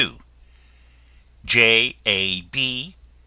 J. A. B.